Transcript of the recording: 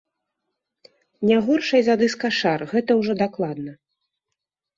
Не горшай за дыска-шар, гэта ўжо дакладна.